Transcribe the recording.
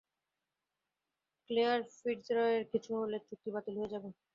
Claire ফিটজরয়ের কিছু হলে চুক্তি বাতিল হয়ে যাবে।